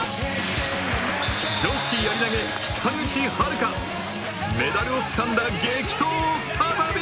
女子やり投北口榛花メダルをつかんだ激闘を再び！